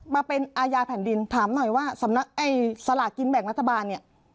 มาเป็นอาญาแผ่นดินถามหน่อยว่าสำนักไอ้สลากินแบ่งรัฐบาลเนี่ย